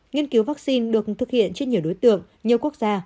nghiên cứu vaccine được thực hiện trên nhiều đối tượng nhiều quốc gia